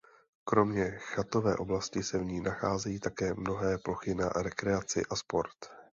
Kromě chatové oblasti se v ní nacházejí také mnohé plochy na rekreaci a sport.